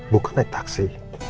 bukan naik taksi